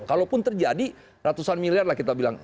kalaupun terjadi ratusan miliar lah kita bilang